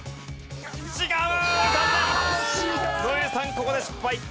ここで失敗。